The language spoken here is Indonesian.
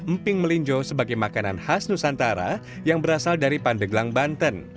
emping melinjo sebagai makanan khas nusantara yang berasal dari pandeglang banten